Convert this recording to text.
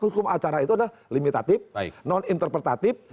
hukum acara itu adalah limitatif non interpretatif